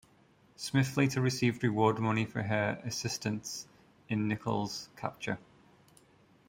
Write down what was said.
Smith later received reward money for her assistance in Nichols's capture.